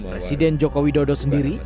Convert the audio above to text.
presiden jokowi dodo sendiri